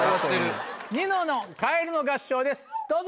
ニノの『かえるの合唱』ですどうぞ！